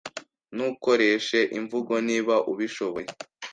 Ntukoreshe imvugo niba ubishoboye.